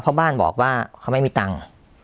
เพราะบ้านบอกว่าเขาไม่มีตังค์